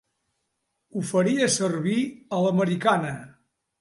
Ho faria servir a l'americana.